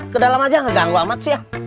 kedalam aja gak ganggu amat sih ah